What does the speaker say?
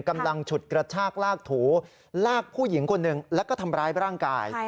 ฉุดกระชากลากถูลากผู้หญิงคนหนึ่งแล้วก็ทำร้ายร่างกาย